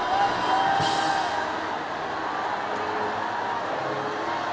วัฒนิยาพุทธ